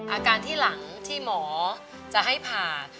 อาการที่หลังที่หมอจะให้ผ่า